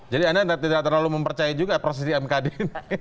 jadi anda tidak terlalu mempercaya juga proses di mkd ini